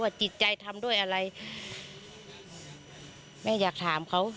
จิตใจทำด้วยอะไรแม่อยากถามเขา